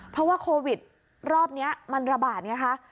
เพราะว่าโควิดรอบนี้มันระบาดไงคะ